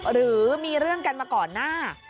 หรือมีเรื่องกันมาก่อนหน้า